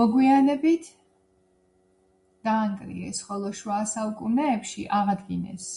მოგვიანებით დაანგრიეს, ხოლო შუა საუკუნეებში აღადგინეს.